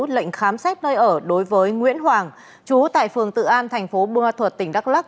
lệnh khám xét nơi ở đối với nguyễn hoàng trú tại phường tự an thành phố bùa thuật tỉnh đắk lắc